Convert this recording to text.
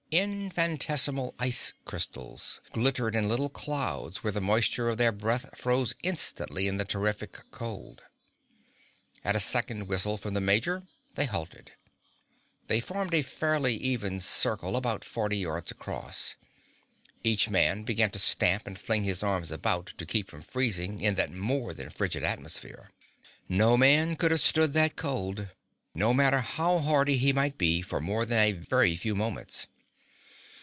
Infinitesimal ice crystals glittered in little clouds where the moisture of their breath froze instantly in the terrific cold. At a second whistle from the major they halted. They formed a fairly even circle about forty yards across. Each man began to stamp and fling his arms about to keep from freezing in that more than frigid atmosphere. No man could have stood that cold, no matter how hardy he might be, for more than a very few moments.